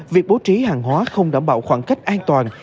việc bố trí hàng hóa không đảm bảo khoảng cách an toàn